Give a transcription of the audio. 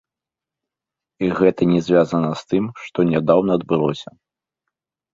І гэта не звязана з тым, што нядаўна адбылося.